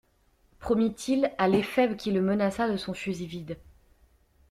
Promit-il, à l'éphèbe qui le menaça de son fusil vide.